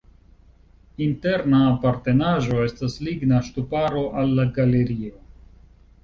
Interna apartenaĵo estas ligna ŝtuparo al la galerio.